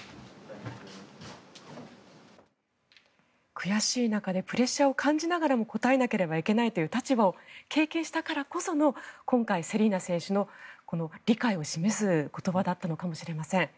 悔しい中でプレッシャーを感じながらも答えなければいけないという立場を経験したからこその今回、セリーナ選手の理解を示す言葉だったのかもしれません。